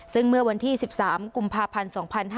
ซึ่งเมื่อวันที่๑๓กุมภาพันธ์๒๕๕๙